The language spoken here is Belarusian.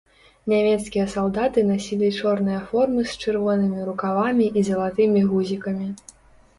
Нямецкія салдаты насілі чорныя формы з чырвонымі рукавамі і залатымі гузікамі.